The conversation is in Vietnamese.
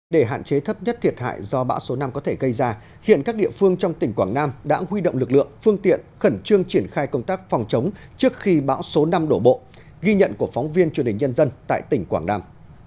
để hạn chế thấp nhất thiệt hại do bão số năm có thể gây ra hiện các địa phương trong tỉnh quảng nam đã huy động lực lượng phương tiện khẩn trương triển khai công tác phòng chống trước khi bão số năm đổ bộ ghi nhận của phóng viên truyền hình nhân dân tại tỉnh quảng nam